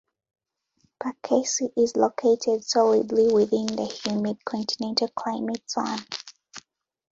Perkasie is located solidly within the humid continental climate zone.